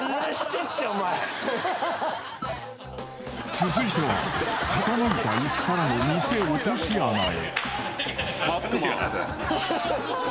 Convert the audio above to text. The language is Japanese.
［続いては傾いたイスからのニセ落とし穴へ］